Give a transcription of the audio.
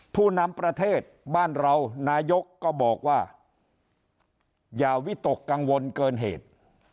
ผู้นำประเทศบ้านเรานายกก็บอกว่าอย่าวิตกกังวลเกินเหตุ